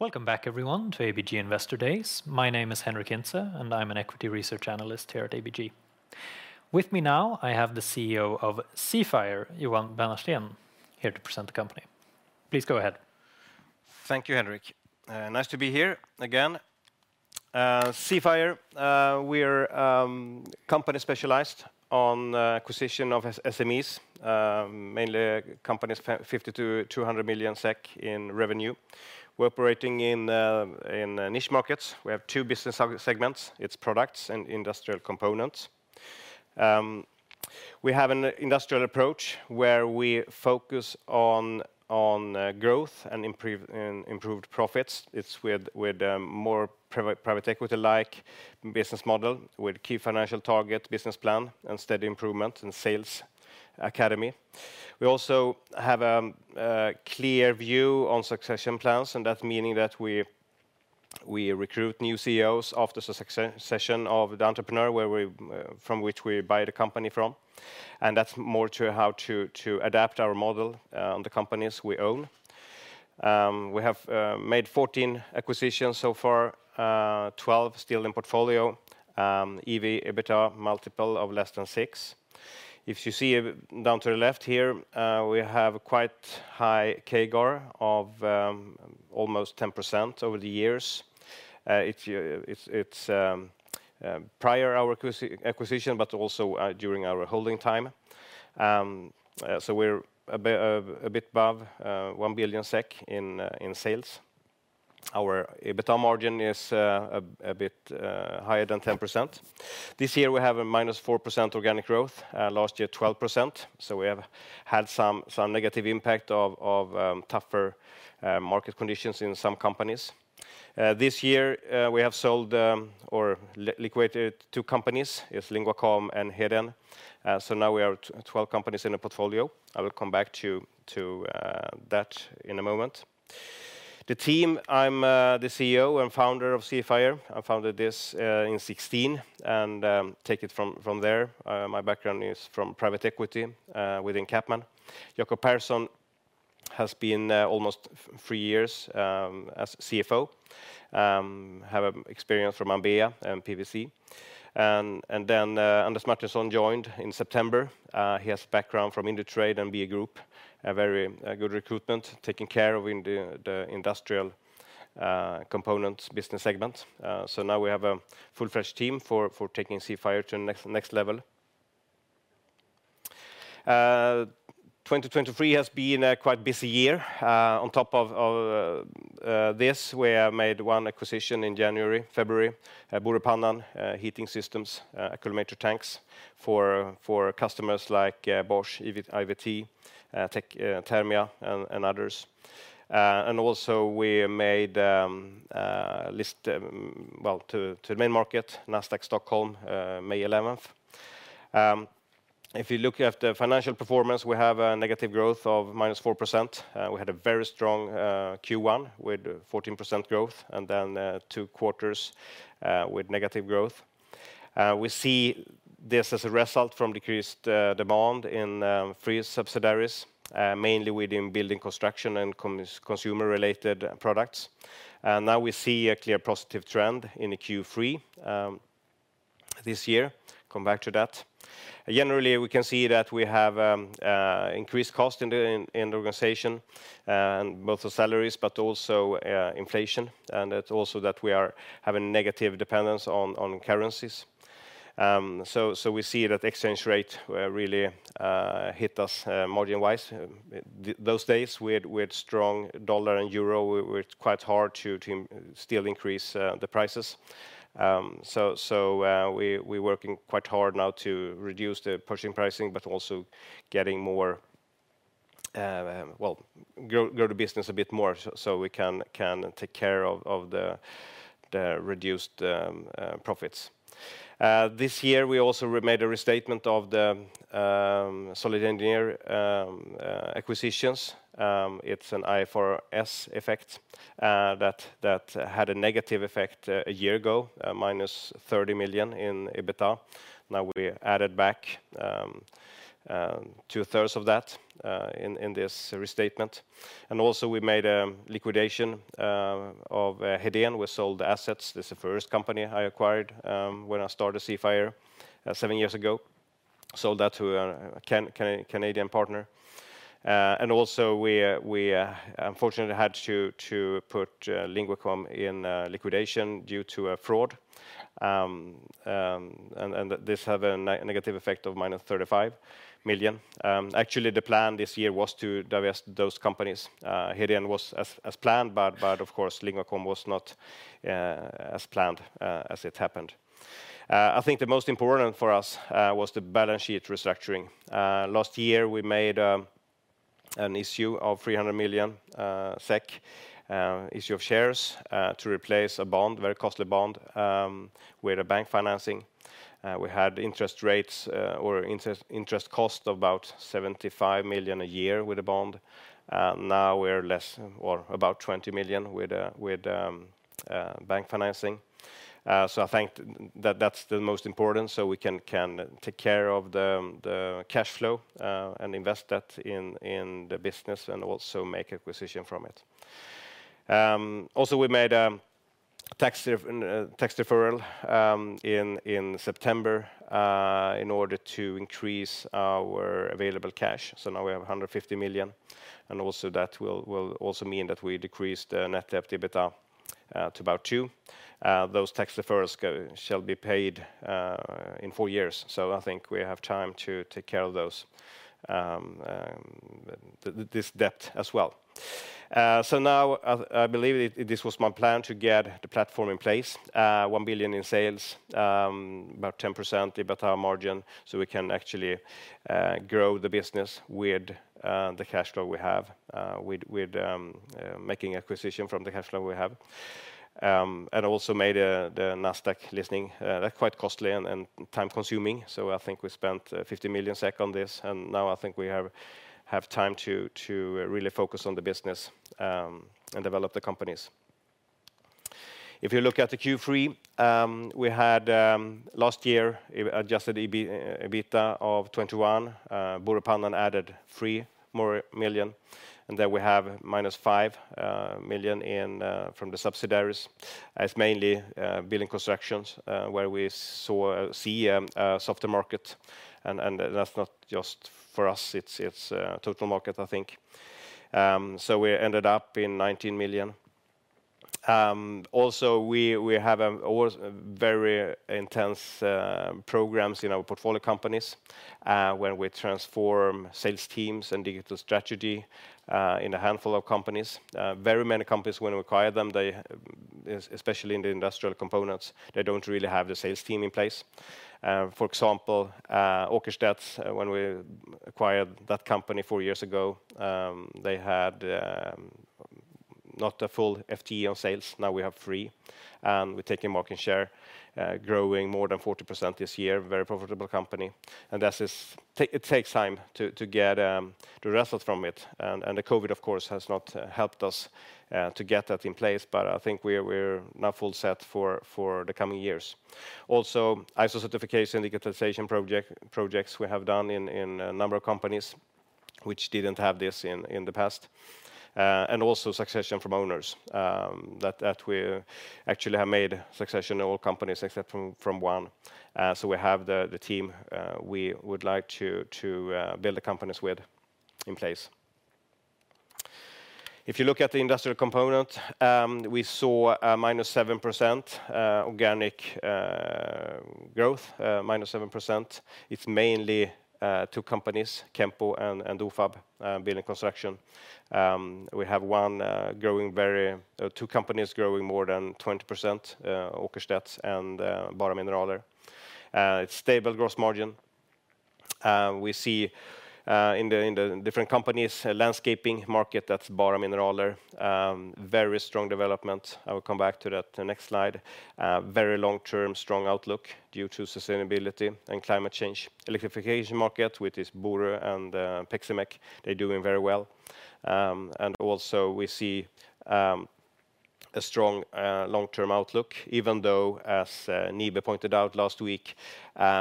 Welcome back, everyone, to ABG Investor Days. My name is Henric Hintze, and I'm an equity research analyst here at ABG. With me now, I have the CEO of Seafire, Johan Bennarsten, here to present the company. Please go ahead. Thank you, Henric. Nice to be here again. Seafire, we're a company specialized on acquisition of SMEs, 50 to 200 million in revenue. We're operating in niche markets. We have two business segments. It's products and industrial components. We have an industrial approach, where we focus on growth and improved profits. It's with more private equity-like business model, with key financial target, business plan, and steady improvement in Sales Academy. We also have a clear view on succession plans, and that's meaning that we recruit new CEOs after the succession of the entrepreneur, from which we buy the company from, and that's more to how to adapt our model on the companies we own. We have made 14 acquisitions so far, 12 still in portfolio. EV/EBITDA multiple of less than six. If you see down to the left here, we have quite high CAGR of almost 10% over the years. It's prior our acquisition, but also during our holding time. We're a bit above 1 billion SEK in sales. Our EBITDA margin is a bit higher than 10%. This year, we have a -4% organic growth, last year, 12%, so we have had some negative impact of tougher market conditions in some companies. This year, we have sold or liquidated two companies, is Linguacom and Hedén. Now we are 12 companies in the portfolio. I will come back to that in a moment. The team, I'm the CEO and founder of Seafire. I founded this in 2016, and take it from there. My background is from private equity within CapMan. Jacob Persson has been there almost three years as CFO. He has experience from Ambea and PwC. Anders Martinsson joined in September. He has background from Indutrade and BE Group, a very good recruitment, taking care of the industrial components business segment. Now we have a full fresh team for taking Seafire to the next level. 2023 has been a quite busy year. On top of this, we have made one acquisition in January, February, Borö Pannan If you look at the financial performance, we have a negative growth of -4%. We had a very strong Q1 with 14% growth, and then two quarters with negative growth. We see this as a result from decreased demand in three subsidiaries, mainly within building, construction, and consumer-related products. Now we see a clear positive trend in the Q3 this year. Come back to that. Generally, we can see that we have increased cost in the organization, and both the salaries, but also inflation, and it's also that we are having negative dependence on currencies. We see that exchange rate really hit us margin-wise. Those days, with strong dollar and euro, it's quite hard to still increase the prices. We working quite hard now to reduce the pushing pricing, but also getting more, well, grow the business a bit more, so we can take care of the reduced profits. This year, we also made a restatement of the SolidEngineer acquisitions. It's an IFRS effect that had a negative effect 1 year ago, -30 million in EBITDA. Now, we added back 2/3 of that in this restatement. Also, we made a liquidation of Hedén. We sold the assets. This is the first company I acquired when I started Seafire seven years ago. Sold that to a Canadian partner. Also we unfortunately had to put LinguaCom in liquidation due to a fraud. This have a negative effect of -35 million. Actually, the plan this year was to divest those companies. Hedén was as planned, but of course, LinguaCom was not as planned, as it happened. I think the most important for us was the balance sheet restructuring. Last year, we made an issue of 300 million SEK, issue of shares to replace a bond, very costly bond with a bank financing. We had interest rates or interest, interest cost of about 75 million a year with the bond. Now we're less or about 20 million with a bank financing. So I think that that's the most important, so we can take care of the cash flow and invest that in the business, and also make acquisition from it. Also, we made a tax defer, tax deferral in September in order to increase our available cash. Now we have 150 million, and also that will also mean that we decrease the net debt/EBITDA to about 2x. Those tax deferrals shall be paid in four years. I think we have time to take care of those, this debt as well. Now, I believe this was my plan to get the platform in place. 1 billion in sales, about 10% EBITDA margin, so we can actually grow the business with the cash flow we have, with making acquisition from the cash flow we have. Also made the Nasdaq listing. That's quite costly and time-consuming, so I think we spent 50 million SEK on this, and now I think we have time to really focus on the business and develop the companies. If you look at the Q3, we had last year adjusted EBITDA of 21.Borö Pannan added 3 million, and then we have -5 million from the subsidiaries. As mainly building constructions where we see a softer market, and that's not just for us, it's total market, I think. We ended up in 19 million. Also, we have always very intense programs in our portfolio companies where we transform sales teams and digital strategy in a handful of companies. Very many companies, when we acquire them, they, especially in the industrial components, they don't really have the sales team in place. For example, Åkerstedts, when we acquired that company four years ago, they had not a full FTE on sales. Now, we have three, and we're taking market share, growing more than 40% this year, very profitable company. It takes time to get the results from it, and the COVID, of course, has not helped us to get that in place, but I think we're now full set for the coming years. Also, ISO certification, digitalization projects we have done in a number of companies which didn't have this in the past. And also succession from owners, that we actually have made succession in all companies except from one. We have the team we would like to build the companies with in place. If you look at the industrial component, we saw a -7% organic growth, -7%. It's mainly two companies, Kenpo and DOFAB, building construction. Two companies growing more than 20%, Åkerstedts and Bara Mineraler. It's stable gross margin. We see in the different companies a landscaping market, that's Bara Mineraler. Very strong development. I will come back to that the next slide. Very long-term, strong outlook due to sustainability and climate change. Electrification market, which isBorö Pannan and Pexymek, they're doing very well. And also, we see a strong long-term outlook, even though, as NIBE pointed out last week,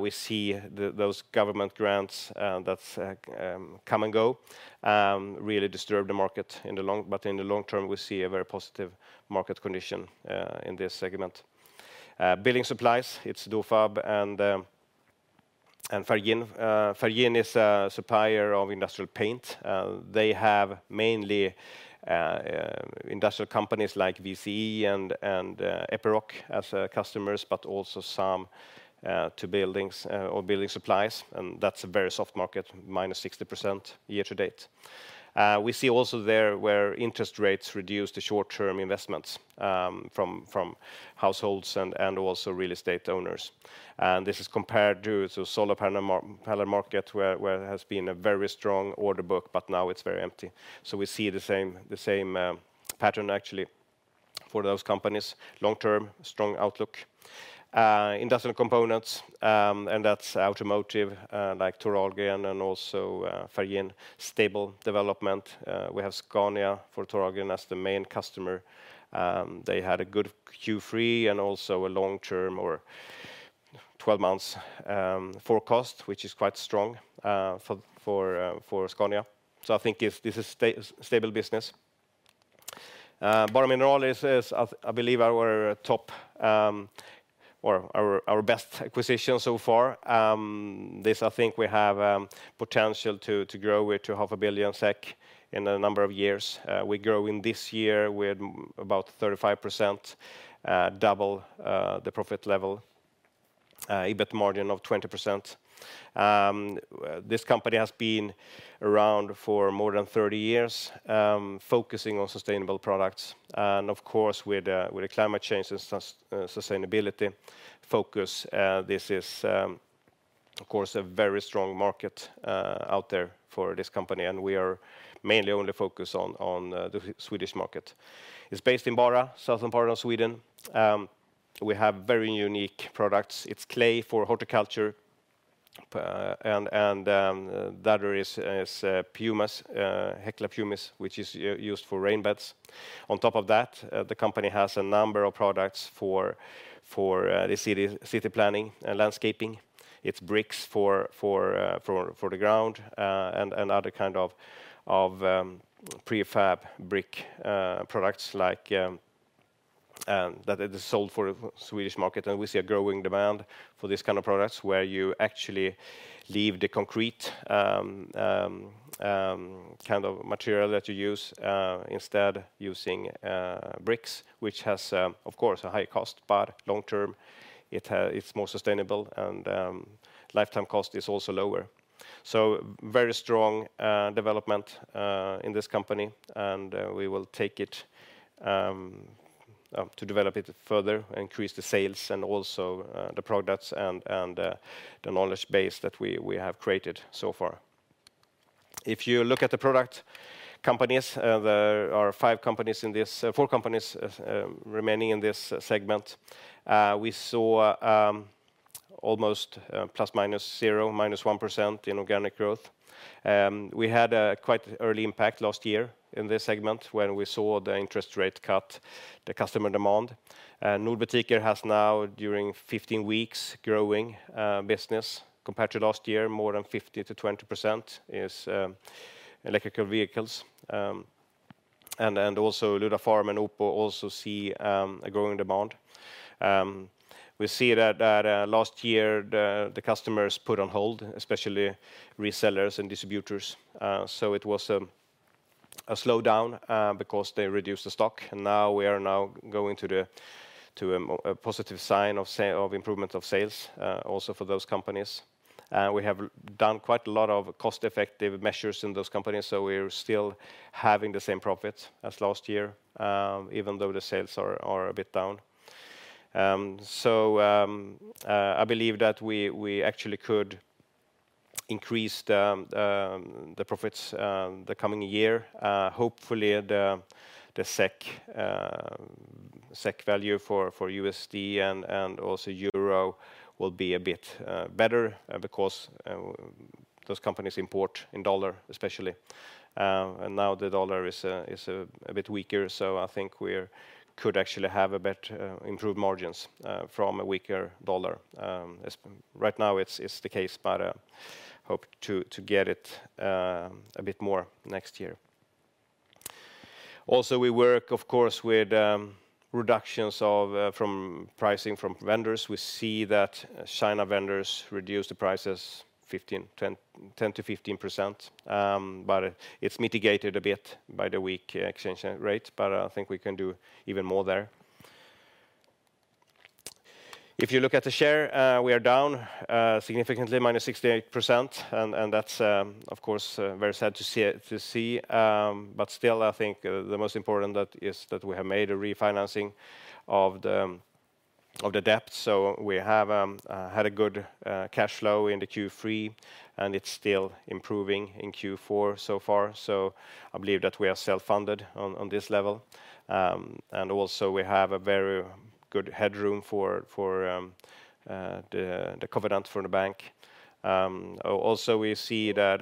we see those government grants that come and go really disturb the market in the long, but in the long term, we see a very positive market condition in this segment. Building supplies, it's DOFAB and Färg-In. Färg-In is a supplier of industrial paint. They have mainly industrial companies like VCE and Epiroc as customers, but also some to buildings or building supplies, and that's a very soft market, -60% year to date. We see also there, where interest rates reduce the short-term investments from households and also real estate owners. This is compared to the solar panel market, where it has been a very strong order book, but now it's very empty. So we see the same pattern, actually, for those companies. Long term, strong outlook. Industrial components, and that's automotive, like Thor Ahlgren and also, Färg-In. Stable development. We have Scania for Thor Ahlgren as the main customer. They had a good Q3 and also a 12-month forecast, which is quite strong, for Scania. I think this is stable business. Bara Mineraler is, I believe, our top, or our best acquisition so far. This, I think, we have potential to grow it to 500 million SEK in a number of years. We grow in this year with about 35%, double the profit level, EBIT margin of 20%. This company has been around for more than 30 years, focusing on sustainable products, and of course, with the climate change and sustainability focus, this is of course a very strong market out there for this company, and we are mainly only focused on the Swedish market. It's based in Bara, southern part of Sweden. We have very unique products. It's clay for horticulture and that is pumice, Hekla Pumice, which is used for rain beds. On top of that, the company has a number of products for city planning and landscaping. It's bricks for the ground, and other kind of prefab brick products like, and that it is sold for the Swedish market, and we see a growing demand for these kind of products, where you actually leave the concrete kind of material that you use, instead using bricks, which has, of course, a high cost, but long term, it's more sustainable, and lifetime cost is also lower. Very strong development in this company, and we will take it to develop it further, increase the sales, and also the products, and the knowledge base that we have created so far. If you look at the product companies, there are five companies in this. Four companies remaining in this segment. We saw almost 0% to -1% in organic growth. We had a quite early impact last year in this segment, when we saw the interest rate cut, the customer demand. Nordbutiker has now, during 15 weeks, growing business. Compared to last year, more than 50% to 20% is electrical vehicles. Also Luda.Farm and OPO also see a growing demand. We see that last year, the customers put on hold, especially resellers and distributors. It was a slowdown because they reduced the stock, and now we are going to a more positive sign of improvement of sales, also for those companies. We have done quite a lot of cost-effective measures in those companies, so we're still having the same profit as last year, even though the sales are a bit down. I believe that we actually could increase the profits the coming year. Hopefully, the SEK value for USD and also euro will be a bit better, because those companies import in dollar, especially. Now the dollar is a bit weaker, so I think we could actually have a better improved margins from a weaker dollar. As right now, it's the case, but hope to get it a bit more next year. Also, we work, of course, with reductions from pricing from vendors. We see that China vendors reduce the prices 15%, 10%, 10% to 15%, but it's mitigated a bit by the weak exchange rate, but I think we can do even more there. If you look at the share, we are down significantly, -68%, and that's of course very sad to see, to see. Still, I think the most important that is that we have made a refinancing of the debt, so we have had a good cash flow in the Q3, and it's still improving in Q4 so far. I believe that we are self-funded on this level. Also, we have a very good headroom for the covenant for the bank. Also, we see that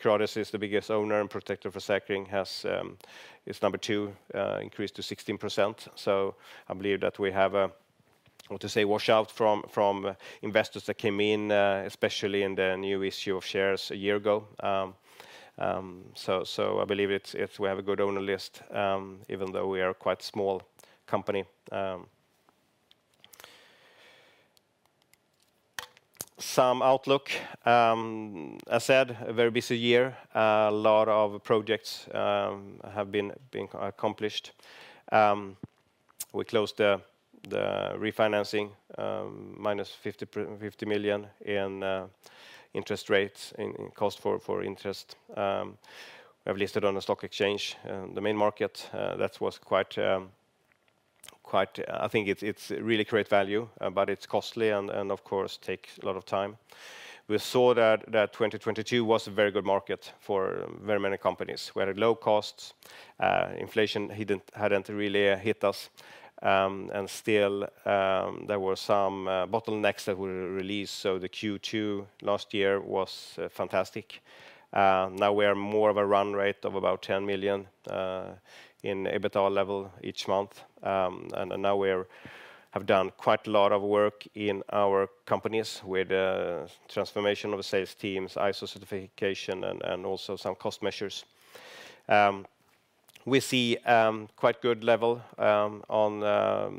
Creades is the biggest owner, and Protector Forsikring has is number two, increased to 16%, so I believe that we have a, how to say, wash out from investors that came in, especially in the new issue of shares a year ago. I believe it's we have a good owner list, even though we are quite small company. Some outlook. I said a very busy year. A lot of projects have been accomplished. We closed the refinancing, minus 50 million in interest rates in cost for interest. We have listed on the stock exchange, the main market, that was quite, quite. I think it's really great value, but it's costly and, of course, takes a lot of time. We saw that 2022 was a very good market for very many companies. We had low costs, inflation hadn't really hit us, and still, there were some bottlenecks that were released, so the Q2 last year was fantastic. Now we are more of a run rate of about 10 million in EBITDA level each month. Now we have done quite a lot of work in our companies with transformation of the sales teams, ISO certification, and also some cost measures. We see quite good level on the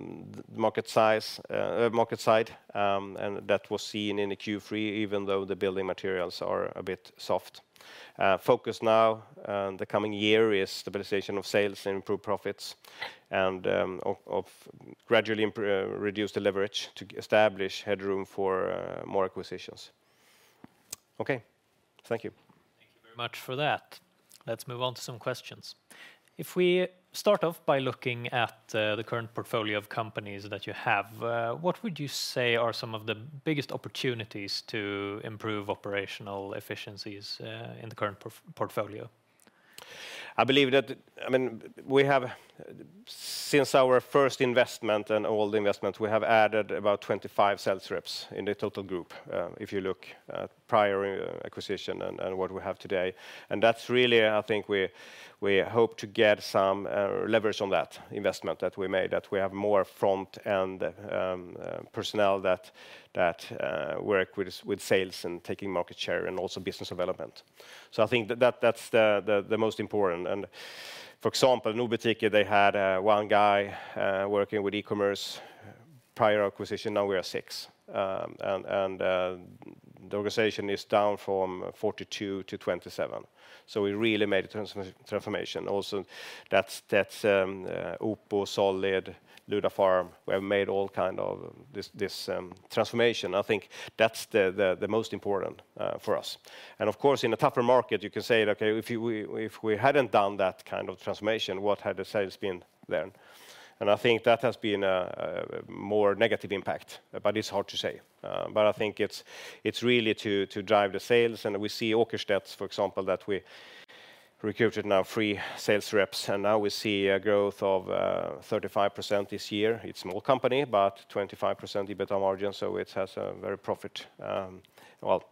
market side, and that was seen in the Q3, even though the building materials are a bit soft. Focus now, the coming year is stabilization of sales and improve profits, and gradually reduce the leverage to establish headroom for more acquisitions. Okay. Thank you. Thank you very much for that. Let's move on to some questions. If we start off by looking at the current portfolio of companies that you have, what would you say are some of the biggest opportunities to improve operational efficiencies in the current portfolio? I believe that, I mean, we have, since our first investment and all the investments, we have added about 25 sales reps in the total group, if you look at prior acquisition and what we have today. That's really, I think we hope to get some leverage on that investment that we made, that we have more front-end personnel that work with sales and taking market share and also business development. I think that, that's the most important. For example, Nordbutiker, they had one guy working with e-commerce prior acquisition, now we are six. The organization is down from 42 to 27, so we really made a transformation. Also, that's Oppo, Solid Engineer, Luda.Farm, we have made all kind of this transformation. I think that's the most important for us. Of course, in a tougher market, you can say, okay, if we, if we hadn't done that kind of transformation, what had the sales been then? And I think that has been a more negative impact, but it's hard to say. I think it's really to drive the sales, and we see Åkerstedt, for example, that we recruited now three sales reps, and now we see a growth of 35% this year. It's a small company, but 25% EBITDA margin, so it has a very profit, well,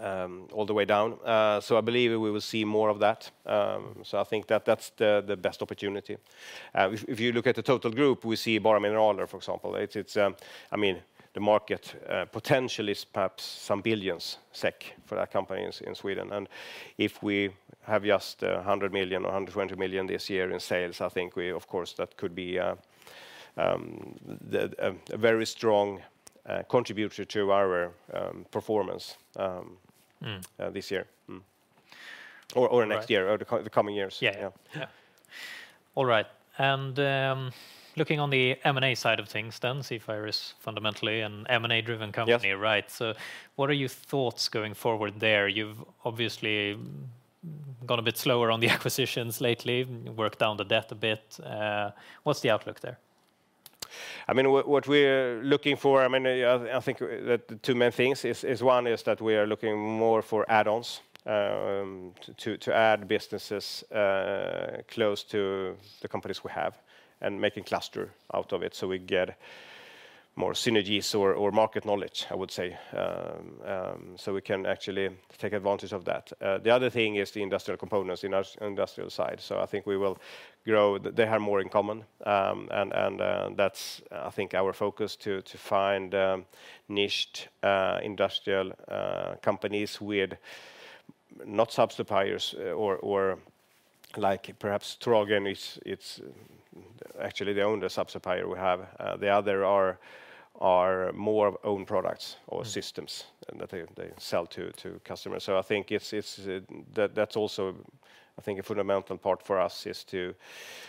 all the way down. I believe we will see more of that, so I think that's the best opportunity. If you look at the total group, we see Bara Mineraler, for example. It's, the market potential is perhaps some billions SEK for that company in Sweden. If we have just 100 million or 120 million this year in sales, I think we, of course, that could be a very strong contributor to our performance, this year or next year or the coming years. All right. Looking on the M&A side of things then, Seafire is fundamentally an M&A-driven company. Right. What are your thoughts going forward there? You've obviously gone a bit slower on the acquisitions lately, worked down the debt a bit. What's the outlook there? What we're looking for, I mean, I think that the two main things is one, that we are looking more for add-ons, to add businesses, close to the companies we have and making cluster out of it, so we get more synergies or market knowledge, I would say. We can actually take advantage of that. The other thing is the industrial components in our industrial side. I think we will grow. They have more in common, and that's, I think, our focus to find niched industrial companies with not sub-suppliers or like perhaps Thor Ahlgen, it's actually the only sub-supplier we have. The other are more of own products or systems. That they sell to customers. I think it's that that's also, I think, a fundamental part for us, is to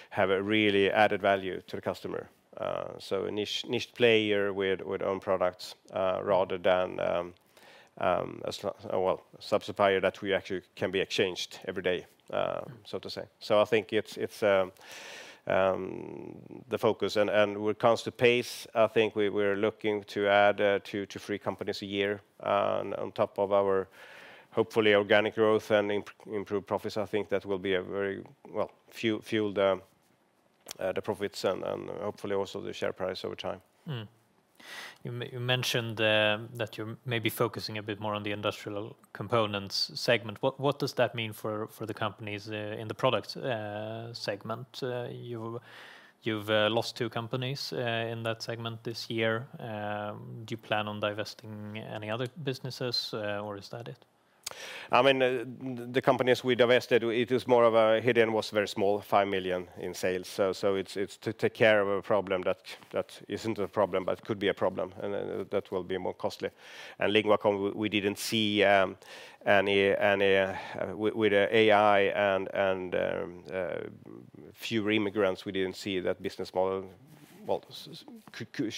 have a really added value to the customer. A niche, niched player with own products, rather than a well, sub-supplier that we actually can be exchanged every day, so to say. I think it's the focus and when it comes to pace, I think we're looking to add two-three companies a year, on top of our, hopefully, organic growth and improved profits. I think that will be a very well, fuel the profits and hopefully also the share price over time. You mentioned that you're maybe focusing a bit more on the industrial components segment. What does that mean for the companies in the product segment? You've lost two companies in that segment this year. Do you plan on divesting any other businesses, or is that it? The companies we divested, it is more of a hidden, was very small, 5 million in sales. It's to take care of a problem that isn't a problem, but could be a problem, and then that will be more costly. LinguaCom, we didn't see any. With AI and fewer immigrants, we didn't see that business model, well,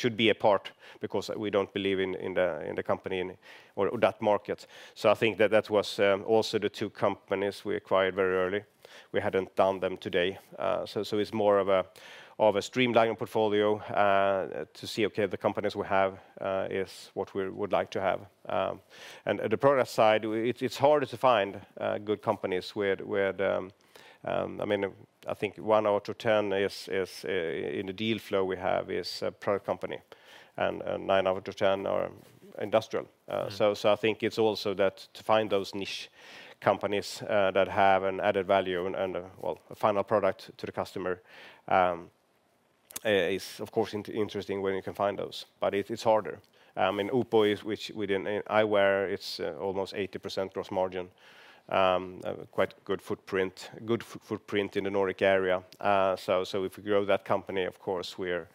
could be a part because we don't believe in the company or that market. I think that that was also the two companies we acquired very early. We hadn't done them today. It's more of a streamlining portfolio to see, okay, the companies we have is what we would like to have. At the product side, it's harder to find good companies with, I think one out of ten is in the deal flow we have, is a product company, and nine out of ten are industrial. I think it's also that to find those niche companies that have an added value and well a final product to the customer is of course interesting when you can find those, but it's harder. I mean, Oppo is, which within eyewear, it's almost 80% gross margin, quite good footprint, good footprint in the Nordic area. If we grow that company, of course, we're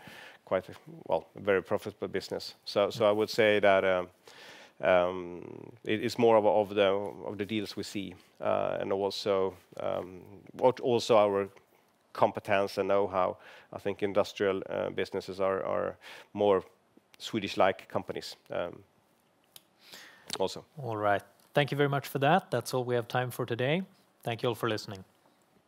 quite a well very profitable business. I would say that it is more of the deals we see, and also but also our competence and knowhow. I think industrial businesses are more Swedish-like companies, also. All right. Thank you very much for that. That's all we have time for today. Thank you all for listening.